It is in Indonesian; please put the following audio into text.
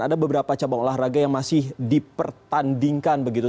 ada beberapa cabang olahraga yang masih dipertandingkan begitu